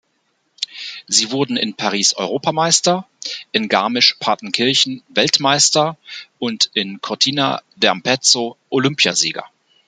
Sie wurden in Paris Europameister, in Garmisch-Partenkirchen Weltmeister und in Cortina d’Ampezzo Olympiasieger.